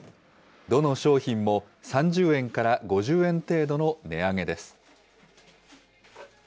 どの商品も３０円から５０円程度の値上げです。